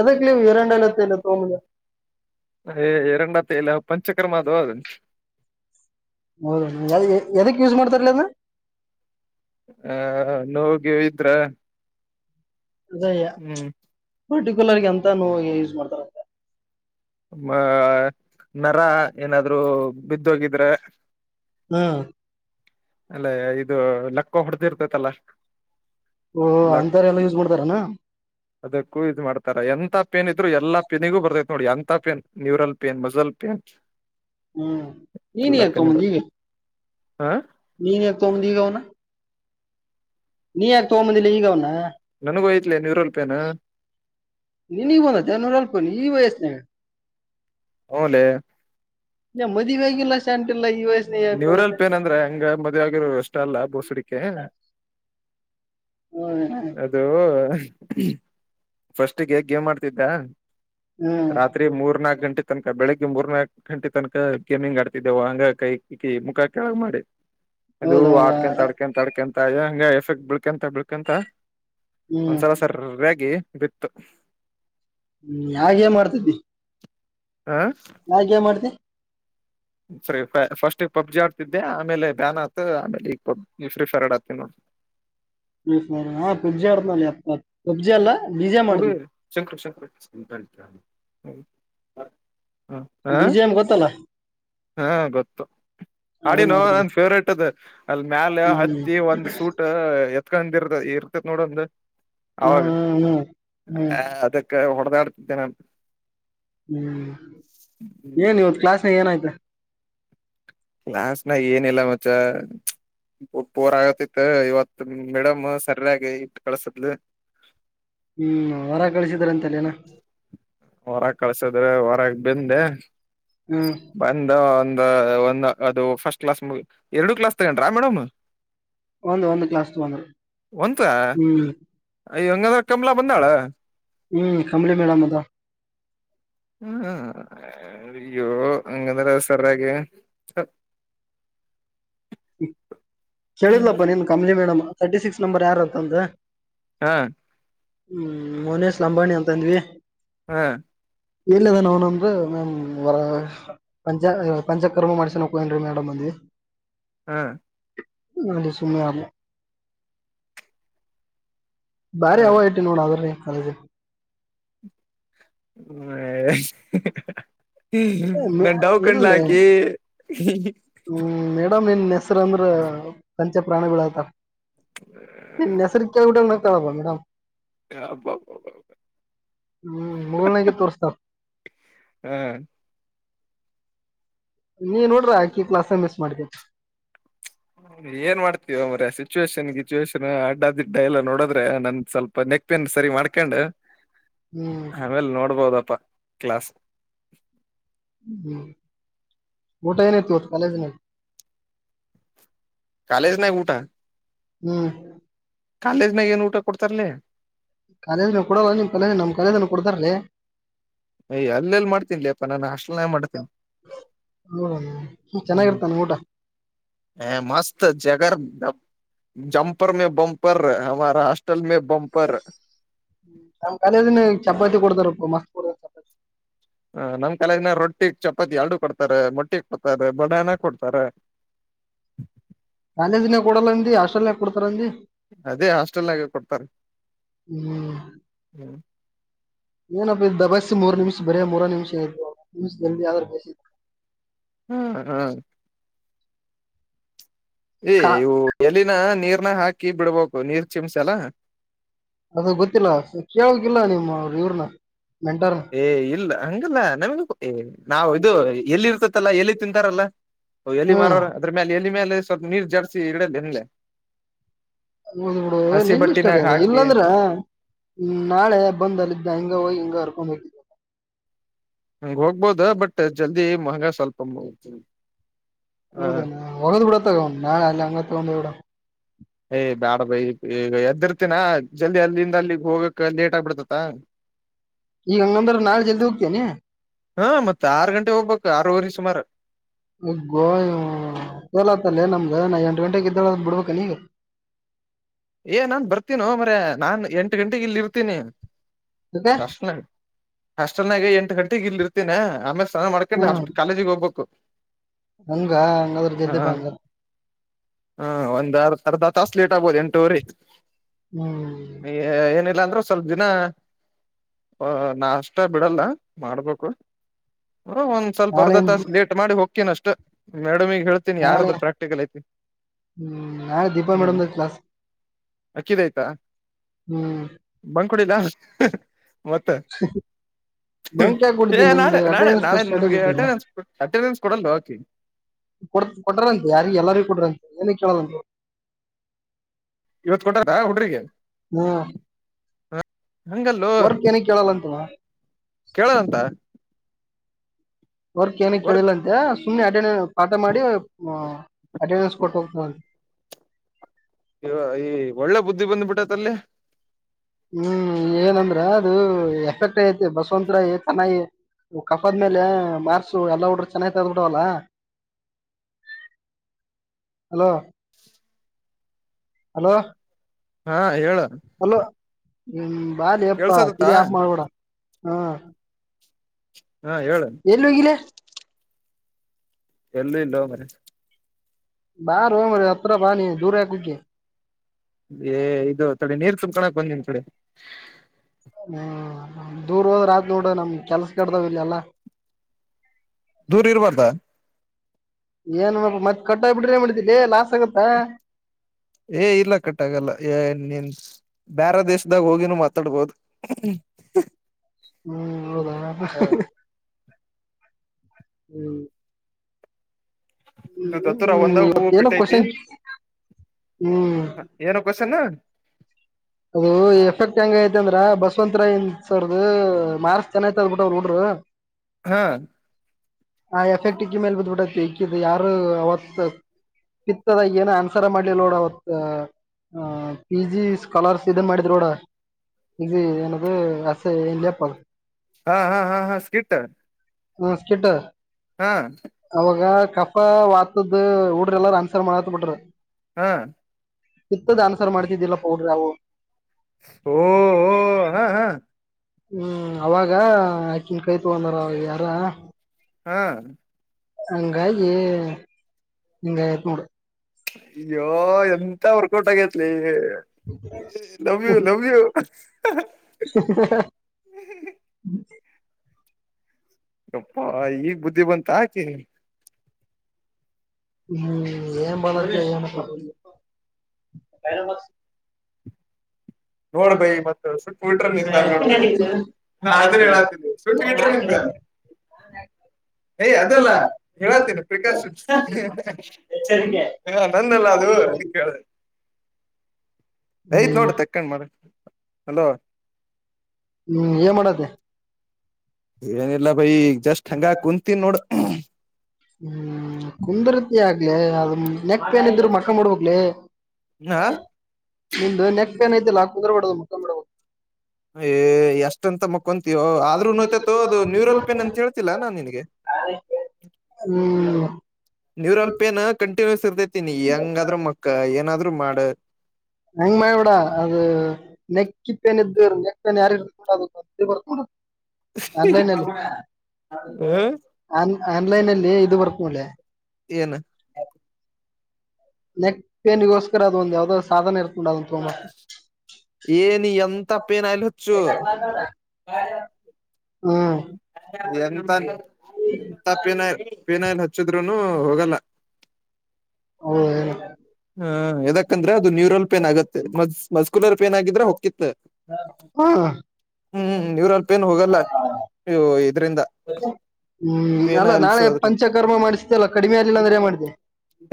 ಎದಕ್ಕ [unintelligible] ಎರಂಡತ ಇಲ್ಲ ಪಂಚಕರ್ಮ ಅದು [unintelligible] ಯದಕ್ ಯೂಸ್ ಮಾಡ್ತರ್ಲೆ ಅದು ಹ ನೋವ್ ಗೀವ್ ಇದ್ರ ಅದೇಯ ಹ್ಮ್ ಪರ್ಟಿಕ್ಯುಲರ್ಗೆ ಎಂತ ನೋವಿಗ್ ಯೂಸ್ ಮಾಡ್ತಾರ ಮಾ ನರ ಏನಾದ್ರು ಬಿದ್ದೋಗಿದ್ರೆ ಹ್ಮ ಅಲ್ಲೇ ಇದು ಲಕ್ಕೋ ಹೊಡ್ದಿರ್ತೈತಲ್ಲ ಓಹೊ ಅಂತಾವ್ರೆಲ್ಲ ಯೂಸ್ ಮಾಡ್ತಾರನಾ ಅದಕ್ಕೂ ಇದ್ ಮಾಡ್ತಾರ ಎಂತ ಪೇನ್ ಇದ್ರು ಎಲ್ಲ ಪೇನಿಗೂ ಬರ್ತೈತ್ ನೋಡ್ ಎಂತ pain neural pain muscle pain ಹ್ಮ್ ನೀನ್ ಎಲ್ಲಾ ಏನ್ ಪೇನ್ ಬರ್ ತಗೊಂಡಬಂಧಿ ಹ ನೀನ್ ಯಾಕ್ ತಗೊಂಡಬಂಧಿ ಅದುನ ನೀ ಯಾಕೆ ತಗೊಂಬಂದಿಲ್ಲ ಈಗ ಅವನ್ನ ನನ್ಗೋ ಆಯಿತೆಲೆ ನ್ಯೂರಲ್ ಪೇನ್ ನಿನಗು ಬಂದಂತ ಎನ್ ನ್ಯೂರಲ್ ಪೇನ್ ಈ ವೈಯಸ್ನಾಗ ಹಲೆ ಇಲ್ಲ ಮದುವ ಆಗಿಲ್ಲ ಸಂಟಿಲ್ಲ ಈ ವೈಯಾಸ್ ನ್ಯೂರಲ್ ಪೇನ್ ಅಂದ್ರೆ ಹಂಗ ಮದುವೆ ಆಗರೋ ಎಷ್ಟ ಅಲ್ಲ ಬೋಸಡಿಕೆ ಹ್ಮ ಅದು ಫಸ್ಟ್ಗೆ ಗೇಮ್ ಹಾಡ್ತಿದ್ದ ಹ್ಮ್ ರಾತ್ರಿ ಮೂರು ನಾಲ್ಕು ಗಂಟೆ ತನಕ ಬೆಳಿಗ್ಗೆ ಮೂರ್ನಾಲ್ಕು ಗಂಟೆ ತನಕ ಗೇಮಿಂಗ್ ಆಡ್ತಿದ್ದೆವು ಹಂಗ ಕೈ ಈಕಿ ಮುಖ ಕೆಳಗ್ ಮಾಡಿ ಅದು ಹೌದೌದ ಆಡ್ಕಂತ ಆ ಡ್ಕಂತ ಅಡ್ಕಂತ ಏನ್ ಎಫೆಕ್ಟ್ ಬೀಲ್ಕಂತಾ ಬೀಲ್ಕಂತ ಹ್ಮ್ ಒಂದ್ಸಲ ಸರ್ ರಾಗಿ ಬಿತ್ತು ಹ್ಮ ಗೇಮ್ ಆಡ್ತಿಧಿ ಹ್ಮ ಯಾವ್ ಗೇಮ್ ಆಡತಿ ಫ್ರೀ ಫೈರ್ ಫಸ್ಟ್ ಈ ಪಬ್ಜಿ ಆಡ್ತಿದ್ದೆ ಆಮೇಲೆ ಬ್ಯಾನ್ ಆತತ್ ಆಮೇಲೆ ಈ ಪಬ್ ಫ್ರೀ ಫೈರ್ ಆಡ್ ಆತೀನ ನೋಡು ಹಾ್ಜ್ಜಾರಾ ಅ [unintelligible] ಹಡು ಶಂಕರ ಶಂಕರ [inaudible] ಹ ಹಾ ಬಿಜೆ ಗೊತ್ತಲ್ಲ ಹಾ ಗೊತ್ತು ಅದು ಹಾಡಿನ ನೋಡ್ದೇನೆ ನನ್ ಫೇವ್ರೇಟ್ ಅದು ಅಲ್ಲಿ ಮ್ಯಾಲ ಹ್ಮ್ ಹತ್ತಿ ಒಂದು ಸೂಟ್ ಎತ್ಕ ಇರ್ತ ಇರ್ತೇತ್ ನೋಡಂದ ಅವಾಗ ಹ್ಮ್ ಹ್ಮ್ ಹ್ಮ್ ಅದ ಹೊಡೆದಾ ಆಡ್ತಿದ್ದೇನೆ ಹ್ಮ್ ಏನ್ ಇವತ್ ಕ್ಲಾಸ್ನಾಗ ಏನಾಯ್ತಾ ಕ್ಲಾಸ್ ನಗ ಏನ ಇಲ್ಲ ಮಚ ಬೋರ್ ಆಗತಿತ್ ಇವತ್ ಮೇಡಮ್ ಸರಿಯಾಗಿ ಇಟ್ಟ ಕಳಸದ್ ಹ್ಮ್ ಹೊರ ಕಳಸಿದ್ರ ಅಂತಲ್ಲೇನ ಹೊರಾಗ ಕಳ್ಸದ್ರೆ ಹೊರಾಗ ಬೆಂದೆ ಹ್ಮ್ ಬಂದ ಒಂದ ಒಂದು ಅದು ಫಸ್ಟ್ ಕ್ಲಾಸ್ ಎರಡು ಕ್ಲಾಸ್ ತಗೊಂಡ್ರಾ ಮೇಡಮ್ ಒಂದು ಒಂದು ಕ್ಲಾಸ್ ತಗೊಂಡರು ಹ್ಮ್ ಅಯ ಹಂಗಂದ್ರ ಕಮಲ ಬಂದಾಳ ಹ್ಮ್ ಕಂಬಲಿ ಮೇಡ್ ಅದ [unintelligible] ಕೇಳಿದ್ಲಪ್ಪ ನೀನ್ Kamali madam thirty six number ಯಾರಂತ ಅಂತ ಹಾಂ ಹ್ಮ್ ಮೋನೇಶ್ ಲಂಬಾಣಿ ಅಂತಂದ್ವಿ ಹ್ಮ ಎಲ್ಲ ಅದ ಅವನಂದ್ರ ಮ್ ಓರ್ಗ್ ಪಂಚ ಪಂಚ ಕರ್ಮ ಮಾಡ್ಸಕನ್ರೀ ಮೇಡಮ್ ಅಂದವಿ ಹಾ ನಲ್ಲಿ ಸುಮ್ಮ ಆ [inaudible] ಬಾರಿ ಹಾ ಹ ನೋಡ ಅದ್ರೀ ಕಾಲೇಜ್ ಹ್ಮ [unintelligible] ಹ್ಮ್ ನಾನ್ ಡವ್ ಕಂಡ್ಲ ಇಲ್ಲ ಹಾಕಿ ಹ್ಮ್ ಮೇಡಮ್ ಇನ್ ಹೆಸರು ಅಂದ್ರ ಪಂಚೆ ಪ್ರಾಣಿಗಳ ಆತ ಹ ನಿನ್ನೆ ಹೆಸರಿಕಳೆಯಿ ಬಿಟ್ಟು ನಕ್ಕಪ್ಪ ಮೇಡ್ ಹಬ ಹ್ಮ್ ಮಗಳನಗೆ ತೋರಿಸ್ತಾ ಹಾ ನೀ ನೋಡ್ರ ಆಾಕಿ ಕ್ಲಾಸ್ ಮಿಸ್ ಮಾಡ್ಿದತಿ ಏನ್ ಮಾಡ್ತೀವ ಮ್ರ ಸಿಚುವೇಶಷನ್ ಗಿಚುವೇಷನ್ ಅಡ್ಡ ಅ ದಿಡ್ ಎಲ್ಲ ನೋಡೋದ್ರೆ ನನ್ ಸ್ವಲ್ಪ ಪ್ಪೇನ್ ಸರಿ ಮಾಡ್ಕೊಂಡ್ ಹ್ಮ್ ಆಮೇಲೆ ನೋಡ್ಬೋದಪ್ಪ ಕ್ಲಾಸ್ ಹ್ಮ್ ಮಊಟ ನತ ಇಒತ್ತು ಕಾಲಜ ನ ಕಾಲೇಜ ನ ಕಊಟಾ ಹ್ಮ್ ಕಾಲೇಜ್ ನಾಗ ಏ ನೂಊಟ ಕೊಡ್ತಾರಲಿ ಕಾಲೇ ಕೊಡಲ್ಲಮ್ ಕ ನಮ್ ಕಾಲ ಕೊಡತಾರ್ರೀ ಅಯ್ ಅಲ್ಲೆಲ್ಲಿ ಮಾಡ್ತೀನ್ ಲಯಾ ನಾನನ್ ಅಷ್ಟನನೆ ಮಾಡ್ತೀನಿ ನೋಡಣ ಚೆನ್ನಾಗಿರ್ತಾನೆ ಊಟ ಹ ಮಸ್ತ್ ಜಗರ್ ಜಂಪರ್ ಮ ಬಂಪರ್ ಹಮಾರ ಹಾಸ್ಟಲ್ ಮ ಬಂಪರ್ ಹ್ಮ ನಮ್ ಕಾಲದ ಚಪಾತಿ ಕೊಡ್ತಾರಪ್ಪ ಮಸ್ತ್ ಕೊಡ್ತಾರ ಚಪಾತಿ ಹ ನಮ್ ಕಾಲದಿನ ರೊಟ್ಟಿ ಚಪಾತಿ ಎರಡು ಕೊಡ್ತಾರೆ ಮೊಟ್ಟಿ ಕೊಡ್ತಾರೆ ಬಡಾನ ಕೊಡ್ತಾರೆ ಕಾಲೇಜ್ ನೇ ಕೊಡಲ್ಲ ಅ ಹಾಸ್ಟೆಲ್ ನ ಕೊಡ್ತಾರ ಅದೇ ಹಾಸ್ಟೆಲ್ಾಗ ಕೊಡ್ತಾರೆ ಹ್ಮ್ [inaudible] ಹ್ಮ್ ಏನಪ್ಪ ಇದ ದ ಬಸ್ ಮೂರು ನಿಮಿಷ ಬರ ಮೂರ ನಿಮಿಷ ಆಯ್ು ನಿಮ್ ಜಲ್ದ ಆದ್ರ ಬಸ್ ಹ್ಮ್ ಹ್ಮ್ ಏ್ ಕಾ ಇ ಎಲ್ಲಿನ ನೀರ್ನ ಹಾಕಿ ಬಿಡ್ಬೇಕು ನೀರ್ ಚಿಮ್ಸ ಎಲ್ಲ ಅದ ಗೊತ್ತಿಲ್ಲ ಕವಾಗಿಿಲ್ಲ ನಿಮ್ಮ್ ಅವರು ಇವ್ರನ ಮೆಂಟಾರ್ ಏ ಇಲ್ಲ ಹಂಗಲ್ಲ ನಮಗು ಏ ನಾವವು ಇದು ಎಲ್ಲಿ ಇರ್ತತ್ತಲ್ಲ ಎಲ್ಲಿ ತಿಂತಾರಲ್ಲ ಎಲ್ಲಿ ಹ್ಮ್ ಮಾರೋ ಅದ್ರ ಮೇಲೆ ಎಲ್ಲಿ ಮೇಲೆ ಸ್ವಲ್ಪ ನೀರ್ ಜರ್ಸಿ ಇಡಲ್ಲೇ ನಡ್ ನೋಡು ಹಸಿ ನಿನ್ ಇಷ್ಟ ಅದ ಬಟ್ಟಿನಾಗ ಅ ಹಾಕಿ ಇಲ್ಲಾಂದ್ರ ್ ನಾಳೆ ಬಂದ ಅಲ್ಲ ಇದಿದ್ದ ಹಂಗ ಹೋಗಿ ಹಿಂಗ ಅರ್ಕೊಂಡ್ ಹೋಗಿ ಹಂಗ ಹೋಗ್ಬೋದ ಬಟ್ ಜಲ್ದಿ ಮಹಂಗ ಸ್ವಲ್ಪ ಹ ಹೌದೇ ಹೊಗದ್ ಬಿಡ ತಗ್ ನಾಳೆ ಅಲ್ಲಿ ಹಂಗ ತಗೊಂಡ್ ಬಿಡ ಯ್ ಬೇಡ ಬೈ ಈಗ ಎದ್ದಿರ್ತೇನ ಜಲ್ದಿ ಅಲ್ಲಿಂದ ಅಲ್ಲಿಗ್ ಹೋಗಕ್ ಲೇಟ್ ಆಗ್ಬಿಡ್ತತ್ತ [unintelligible] ಈಗ ಹಂಗಂದ್ರ ನಾಳೆ ಜಲ್ದಿ ಹೋಗ್ತೇನೆಿ ಹಾ ಮತ್ ಆರ್ ಗಂಟೆ ಹೋಗ್ಬೇಕ್ ಆರೂವರೆ ಸುಮಾರು ಗೋಯ ಸೋಲತ್ತಲ್ಲೇ ನಮ್ಗೆ ನಾ ಎಂಟು ಗಂಟೆಗೆ ಇದ್ದಾಳೆ ಅದ ಬಿಡ್ಬೇಕನ್ ಈಗ ಏ ನಾನ್ ಬರ್ತೀನೋ ಮ್ರ ನಾನ್ ಎಂಟು ಗಂಟೆೆಗೆ ಇಲ್ಲಿ ಇರ್ತೀನಿ ಯಾಕೆ ಪ್ರಶನೆ ಹಸ್ಟೆಲ್ನಾಗೆ ಎಂಟು ಗಂಟೆಗ್ ಇಲ್ ಇರ್ತೇನ ಆಮೇಲೆ ಸ್ನಾನ ಹ್ಮ್ ಮಾಡ್ಕೊಂಡು ಕಾಲೇಜಿಗೆಗ್ ಹೋಗ್ಬೇಕು ಹಂಗ ಹಂಗದ್ರ ಜಲ್ದಿ ಬ ಹಾ ಹಂಗ ಹಾ ಒಂದ್ ಅರ್ಧ ಅರ್ಧ ತಾಸ ಲೀಟ್ ಆಗ್ಬೋದು ಎಂಟೂರಿ ಹ್ಮ್ ಏನಿಲ್ಲ ಅಂದ್ರೆ ಸ್ವಲ್ಪ ದಿನ ಹ ನಾ ಅಷ್ಟ ಬಿಡಲ್ಲ ಮಾಡ್ಬೇಕು ಒ ಸ್ವಲ್ಪ ನಾಳೆ ಅರ್ಧ ತಾಸ ಲೇಟ್ ಮಾಡಿ ಹೋಗ್ತೇನ ಅಷ್ಟ ಮೇಡಮ್ಗ ಹೇಳ್ ನಾಳೆ ಯಾರ್ದು ಪ್ರಾಕ್ಟಿಕಲ್ ಐತಿಿ ಹ್ಮ್ ನಾಳೆ ದೀಪಾ ಹ್ಮ್ ಮೇಡಮ್ ಕ್ಲಾಸ್ ಅಕ್ಕಿದ ಆಯ್ತಾ ಹ್ಮ್ ಬಂದ್ಕಡಿಲ್ಲ ಮತ್ತೆ ಬಂಕ್ ಯಾಕ್ ಏ ಕೊಡ್ತೀನಿ ನಾಳೆ ನಿಂದು ನಾಳೆ ಅಟೆಂಡೆನ್ಸ್ ನಾಳೆ ನಿಮ್ಗೆ ಅಟೆಂಡನ್ಸ್ ಅಟೆಂಡೆನ್ಸ್ ಕೊಡಲ್ಲ ಹಾಕಿ ಕೊ ಕೊಟ್ರಂತೆ ಯಾರಿ ಎಲ್ಲಾರೂ ಕೊಟ್ರಂತೆ ಏನ ಕೇಳಾರಂತೆ ಇವತ್ ಕೊಟ್ಟದ ಹುಡ್ರಿಗೆ ಹ್ಮ್ ಹ ಹಂಗಲ್ಲು ವರ್ಕ್ ಏನ ಕೇಳಲ್ಲಂತ ಕೇಳದಂತ ವರ್ಕ್ ಏನ ಕೇಳಿಲ್ಲ ಅಂತೆ ಸುಮ್ನೆ ಅಟೆಂಡನ್ ಪಾಠ ಮಾಡಿ್ ಅಟೆಂಡೆನ್ಸ್ ಕೊಟ್ಟ ಹೋಗ್ತಂತೆ ಈ ಒಳ್ಳೆ ಬುದ್ಧಿ ಬಂದ್ಬಿಟ್ಟೈತ್ ಅಲ್ಲಿ ಹ್ಮ್ ಏನಂದ್ರ ಅದು ಎಫೆಕ್ಟ್ ಐತಿ ಬಸವಂತರ ಚೆನ್ನಾಗಿ ಕಫಾದ್ಮೇಲೆ ಮಾರ್ಸು ಎಲ್ಲಾ ಹಡ್ರ ಚೆನ್ನಾಗತದ ಬಿಿಡವಲ್ಲ ಹಲೋ ಹಲೋ ಹಾ ಹೇಳ ಅಲೋ ಹ್ಮ ಬಾಲಿ ಅಪ್ಪಾ ತಿಳ ಕೇಳ್ಸದತ್ತಾ ಆಪ ಮಾಡ್ಬಡ ಹಾ ಹಾ ಹೇಳನ್ ಎಲ್ಲಿ ಹೋಗಿಲ್ಲ ಎಲ್ಲೂ ಇಲ್ಲ ಮರ ಬಾ ರೋ ಮ್ರ ಹತ್ರ ಬಾ ನೀಿ ದೂರ ಹಾಕಕ್ಕೆಿ ಏ ಇದು ತೊಡೆ ನೀರ್ ತುಂಬಕಳಕ್ ಬಂದಿನ್ ಡೆ ಹ್ಮ್ ದೂರ್ ಹೋದ್ಾತ್ ನೋಡ ನಮ್ ಕೆಲ್ಸ ಕೆಡ್ದಾವ್ ಇಲ್ಲ ಎಲ್ಲಾ ದೂರ್ ಇರ್ಬಾರ್ದಾ ಏನ್ಪ್ಪ ಮತ್ ಕಟ್ಟ ಬಿಡ್ರೆ ಬಿಡಿದಲಿ ಲಾಸ್ ಆಗತ್ತಾ ಏ ಇಲ್ಲ ಕಟ್ಟಾಗಲ್ಲ ಏ ನೀನ್ ಬ್ಯಾರ ದೇಶದಾಗ ಹೋಗಿನೂ ಮಾತಾಡ್ಬೋದು ಹ್ಮ್ ಹೌದ ಹ್ಮ್ ಇದು ದತ್ತೂರ ಹ್ಮ್ ಒಂದಾಗ ಹೂವು ಇವತ್ತೇನೋ ಬಿಟ್ಟೈತಿ ಕ್ವಶನ್ ಹ್ಮ್ ಏನ ಕವಶನ್ ಅದು ಎಫೆಕ್ಟ್ ಹೆಂಗ ಐತಿ ಅಂದ್ರ ಬಸವಂತ ರಾಯ್ ಸರ್ದ ಮಾರ್ಸ್ ಚೆನ ತ್ ಅದ್ ಬಿಿಟ್ಟ ಅವ್ರುೋಡ್ರು [inaudible] ಹ್ಮ ಆ ಎಫೆಕ್ಟ್ ಇಕ್ಕಿ ಮೇಲೆ ಬತ್್ಬಿಟ್ಟೈತಿ ಇಕ್ಕಿದ ಯಾರು ಅವತ್ ಕಿತ್ತದಾಗ ಏನ ಆನ್ಸರ್ ಮಾಡ್ಲಿಲ್ಲ ನೋಡ ಅವತ್ ಪಿ ಜಿ ಕಲರ್ಸ್ ಇದನ್ ಮಾಡಿದ್ರೋಡ ಇಿ ಏನದು ಆಸೆ ನ್ೇಪ ಅದು ಹಾ ಹಾ ಹಾ ಹಾ ಸ್ಕಿಟ್ ಮಸ್ಕಟ ಹಾ ಅವಾಗ ಕಫ ವಾತದ ಹಊಡ್ರ ಎಲ್ಲಾರ ಅನ್ಸರ್ ಮಾಡಾತ್ ಬಿಟ್ರಿ ಹಾ ಕಿತ್ತದ ಆನ್ಸರ್ ಮಾಡ್ತಿದ್ದಿಲ್ಲ ಪೌಡ್ರ ಯವು ಹಓ ಹ್ಮ್ ಅವಾಗ ಆಕನ್ ಕೈ ತಗೊಂಡಾರ ಯಾರ ಹಾ ಹಂಗಾಗಿ ಹಂಗತ್ ನೋಡು. ಅಯ್ಯೋ ಎಂತ ವರ್ಕೌಟ್ ಆಗೇತ್ಲಿ. ಲವ್ಯು ಲವ್ಯು [inaudible] ಹ್ಮ್ ಗಪ್ಪಾ ಈಗ್ ಬುದ್ಧಿ ಬಂತ ಆಕೆ. ಹ್ಮ ಏನ್ ಬಾದ ನೋಡ್ ಹ ಬೈ ಮತ್ತ ಸುಟ್ ಬಿಟ್ರ ನಿಂದ ನೋಡ್ ನಾ ಹದ ಅದನ್ನ ಹೇಳಾತೀನಿ ಸುಟ್ ಬಿಟ್ರ ಹೇಳ ಯ ಅದಲ್ಲ ಹೇಳಾತೇನೆ ಪ್ರಿಕಾಶನ್ ಎಚ್ಚರಿಕೆ ಹ ನಂದಲ್ಲ ಅದು ಅ ಕೇಳ [unintelligible] ಯತ್ ನೋಡ ತಕೊಂಡ್ ಮರ ಅಲೋ ಹ್ಮ್ ಏನ್ ಮಾಡ್ದ ಏನಿಲ್ಲ ಬೈ ಜಸ್ಟ್ ಹಂಗ ಕುಂತೀನ್ ನೋಡ್. ಹ್ಮ್ ಕುಂದರತಿ ಆಗ್ಲೆ ಅದ ನೆಕ್ ಪೇನ್ ಇದ ಇದ್ರರು ಮಕ್ಕ ಮಾಡಬೇಕಕ್ಲಿ. ಹಾ ನಿಮು ನೆಕ್ ನೈಐಲ್ಲ ಕುುದ್ರಬಡೋದು ಮ ಎಷ್ಟಂತ ಮಕ್ಕ ಮಂಕೂತೀಯೊ ಆದ್ನು ತೋ ಅದು ನೂರಲ್ಪೇನ್ ಅಂತ ಹೇಳ್ತಿಲ್ಲ ನಾನ್ ನಿನಗೆ ಹ್ಮ್ ನೀವ್ರ ಅಲ್ಪ ಏನ ಕಂಟಿನ್ಯೂಸ್ ಇರ್ದೇತನಿ ಹೆಂಗಾದ್ರು ಮಕ್ಕ ಏನಾದ್ರು ಮಾಡ ಹೆಂಗ ಮಾವಡಾ ಅದು. ನೆಕ್ಪೇನ್ ಇದ್ದ ನೆಕ್ ಪೇನ್ ಯಾರ ಆನ್ಲೈನ್ಲ್ಲಿ ಹ್ಮ್ ಆ ಆನ್ಲೈನ್ಲ್ಲಿ ಇದು ಬರ್ತ ಮಳೆ. ಏನು ನೆಕ್ ಪೇನ್ಿಗೋಸ್ರ ಅದ ಒಂದ್ ಯಾವ್ದೋ ಸಾಧನ ಇರ್ತದೆ. ಉರಾಗ ಏನ ಎಂತ ಪೇನ್ ಆಯಲ್ ಹತ್ತದ ಹ್ಮ್ ಅದ ಎಂತ ಎಂತ ಪಿನ್ಯ ಪೀಿನಲ್ ಹಚ್ಚಿದ್ರುನು ಹೋಗಲ್ಲ. ಹ ಹಾ ಯದಾಕಂದ್ರೆ ಅದು ನ್ಯೂರಲ್ ಪೇನ್ ಆಗತ್ತೆ ಮಸ್ಕ್ಯುಲರ್ ಪೇನ್ ಆಗಿದ್ರೆ ಹೋಗಕ್ಕಿತ್ತ ಹಾ ಹ್ಮ್ ನೀವರ ಅಲ್ಪ ಏನು ಹೋಗಲ್ಲ ನೀ ಇದ್ರಿಂದ ಹ್ಮ್ ಪೇನ ಅಲ್ಲಾ ನಾಳೆ ಎಲ್ಸೋದ್ರಿಂದ ಪಂಚಕರ್ಮ ಮಾಡಿಸ್ದೆ ಅಲ್ಲ ಕಡಿಮೆ ಆರ್ಲಿಲ್ಲ ಅಂದ್ರೆ ಮಾಡಿದೆ.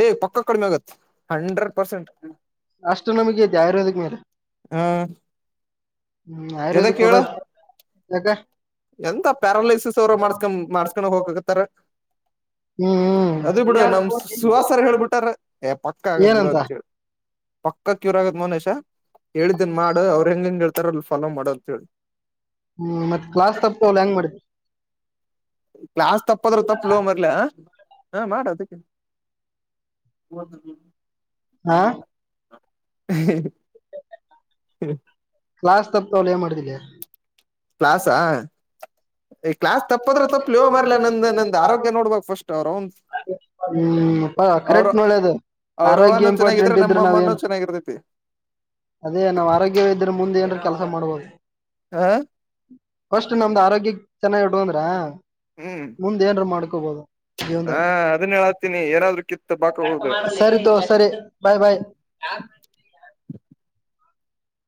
ಏಗ್ ಪಕ್ಕ ಕಡಿಮೆ ಆಗತ್ ಹಂಡ್ರೆಡ್ ಪರ್ಸೆಂಟ್. ಆಸ್ಟ್ರೋನಮಿ ಐತಿ ಆಯುರ್ವೇದಿಕ್ ಮೇಲೆ. ಹ ಹ್ಮ್ ಎದಕ್ ಆಯುರ್ವೇದಿಕ್ ಹದ ಹೇಳ ಯಗ ಎಂತ ಪ್ಯಾರಾಲೈಸಿಸ್ ಅವರು ಮಾಡ್ಸ್ಕೊಂಡ್ ಮಾಡಸ್ಕೊಂಡ ಹೋಗತಾರ ಹ್ಮ್ ಅದ ಹ್ಮ್ ಬಿಡು ನಮ್ ಸುವಾಸರ ಹೇಳಳ್ಬಿಟಾರ ಪಕ್ಕ ಆಗದ್ ಬಿಡು ಏನಂತ ಅಂತ ಹೇಳೇಳಿ ಪಕ್ಕ ಕ್ಯೂರ್ ಆಗತ್ ಮನೇಶ ಹೇಳಿದ್ದನ್ ಮಾಡು ಅವ್ರರು ಹೆಂಗ ಹೆಂಗಗೆೇಳ್ತಾರ ಅಲ್ಲಿ ಫಾಲೋ ಮಾಡ ಅಂತ ಹೇಳಿ. ಹ್ಮ್ ಮತ್ ಕ್ಲಾಸ್ ತಪ್ಪತವಲ್ಲ ಹೆಂಗ ಮಾಡತಿ. ಕ್ಲಾಸ್ ತಪ್ಪದ್ರರು ತಪ್ಪಲೋ ಮರ್ಲ ಹಾ ಮಾಡದಕ್ಕೆ ಹಾ [unintelligible] ಹ್ಮ ಹ ಹ್ಮ ಕ್ಲಾಸ್ ತಪ್ಪತಾವಲ್ಲ ಏನ್ ಮಾಡಿದಿಲ್ಲೆ. ಕ್ಲಾಸಾ ಈ ಕ್ಲಾಸ್ ತಪ್ಪದ್ರೆ ತಪ್ಪಲೋ ಯೋ ಮರ್ಲ್ಲ ನಂದ ನಂದ ಆರೋಗ್ಯ ನೋಡ್ಬಕ್ ಫಸ್ಟ್ ಅವ್ರೌನ್ ಹ್ಮ್ ಪ ಕರೆಕ್ಟ್ ನೋಳ್ಯದು ಅವ್ರವ್ವನು ಆರೋಗ್ಯ ಚೆನ್ನಾಗಿದ್ರೆ ಇಂಪಾರ್ಟೆಂಟ್ ನಮ್ಮ ಇದ್ರ ನಾವ ಅಮ್ಮನು ಏನ್ ಚೆನ್ನಾಗಿರ್ತೈತಿ ಅದೇ ನಾವ್ ಆರೋಗ್ಯವ ಇದ್ರ ಮುಂದೆ ಏನ್ರ ಕೆಲಸ ಮಾಡ್ಬೋದು. ಹ್ಮ ಪಸ್ಟ್ ನಮ್ದ ಆರೋಗ್ಯ ಚೆನ್ನಾಟುಗೊಂದ್ರ ಹ್ಮ್ ಮುಂದ ಏನ್ರ ಮಾಡ್ಕೋಬೋದು ಹಾ ಜೀವನದಾಗ. ಅದನ್ನ ಹೇಳತ್ತೀನಿ ಏನಾದ್ರು ಕಿತ್ ಬಾಕ ಹೋದು ಸರಿ ತೊ ಸರಿ ಬಾಯ್ ಬಾಯ್.